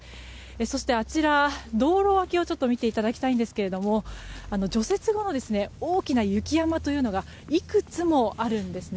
そして、道路脇を見ていただきたいんですが除雪後の大きな雪山というのがいくつもあるんですね。